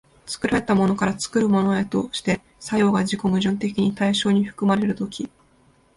作られたものから作るものへとして作用が自己矛盾的に対象に含まれる時、